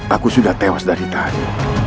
aku sudah tewas dari itali